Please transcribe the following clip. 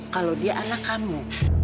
kalau dia anak kamu